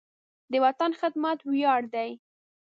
د وطن خدمت ویاړ دی.